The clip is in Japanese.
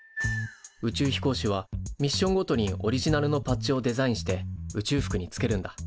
宇宙飛行士はミッションごとにオリジナルのパッチをデザインして宇宙服につけるんだ。